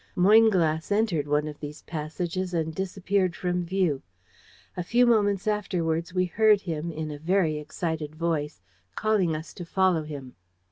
Moynglass entered one of these passages and disappeared from view. A few moments afterwards we heard him, in a very excited voice, calling us to follow him.